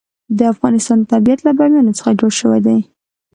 د افغانستان طبیعت له بامیان څخه جوړ شوی دی.